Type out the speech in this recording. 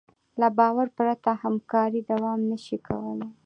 له باور پرته همکاري دوام نهشي کولی.